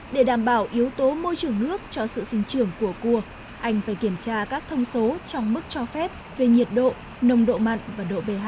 để đảm bảo yếu tố môi trường nước cho sự sinh trưởng của cua anh phải kiểm tra các thông số trong mức cho phép về nhiệt độ nồng độ mặn và độ b hai